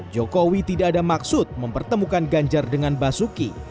jokowi tidak ada maksud mempertemukan ganjar dengan basuki